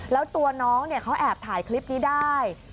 แล้วตัวน้องเขาแอบถ่ายคลิปนี้ได้